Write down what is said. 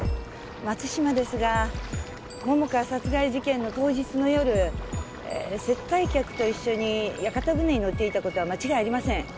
松島ですが桃花殺害事件の当日の夜接待客と一緒に屋形船に乗っていた事は間違いありません。